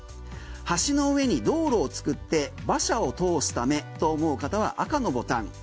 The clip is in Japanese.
橋の上に道路を作って馬車を通すためと思う方は赤のボタン。